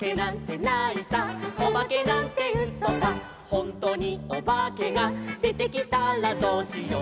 「ほんとにおばけがでてきたらどうしよう」